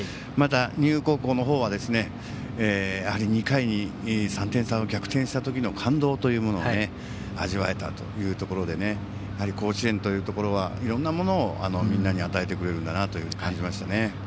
また、丹生高校のほうはやはり２回に３点差を逆転したときの感動というものを味わえたというところでやはり甲子園というところはいろんなものをみんなに与えてくれるんだなと感じましたね。